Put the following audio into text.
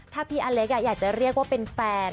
ถ้าพี่อเล็กอยากจะเรียกว่าเป็นแฟน